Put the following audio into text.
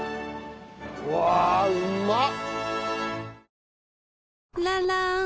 うわあうまっ！